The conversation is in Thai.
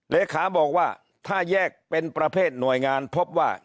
เลขาบอกว่าถ้าแยกเป็นประเภทหน่วยงานพบว่า